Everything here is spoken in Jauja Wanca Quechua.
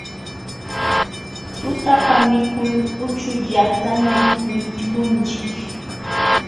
Tutapa mikul puchullatañam mikunchik.